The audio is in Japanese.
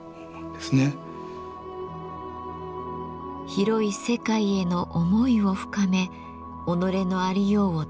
広い世界への思いを深め己のありようを探求する。